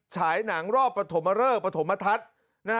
ฉายหนังรอบปฐมเริกปฐมทัศน์